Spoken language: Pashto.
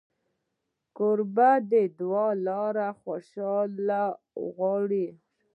کوربه د دعا له لارې خوشالي غواړي.